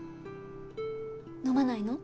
飲まないの？